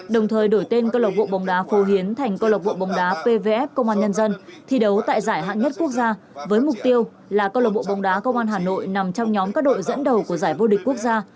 đồng thời đổi tên cơ lộc bộ bóng đá phô hiến thành cơ lộc bộ bóng đá pvf công an nhân dân thi đấu tại giải hạng nhất quốc gia với mục tiêu là cơ lộc bộ bóng đá công an hà nội nằm trong nhóm các đội dẫn đầu của giải vô địch quốc gia